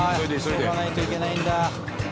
急がないといけないんだ。